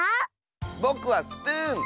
ぼくはスプーン！